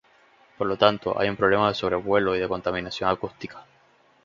Por lo tanto, hay un problema de sobrevuelo y de contaminación acústica.